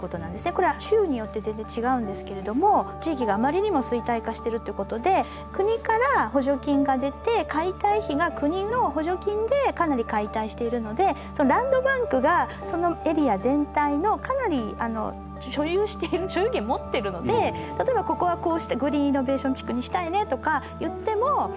これは州によって全然違うんですけれども地域があまりにも衰退化してるってことで国から補助金が出て解体費が国の補助金でかなり解体しているのでランドバンクがそのエリア全体のかなり所有している所有権持ってるので例えばここはこうしてグリーンイノベーション地区にしたいねとか言ってもできるんですよね。